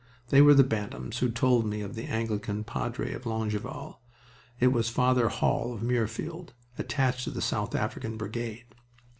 They were the Bantams who told me of the Anglican padre at Longueval. It was Father Hall of Mirfield, attached to the South African Brigade.